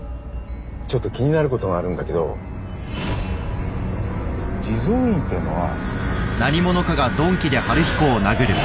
ちょっと気になることがあるんだけど地蔵院ってのは。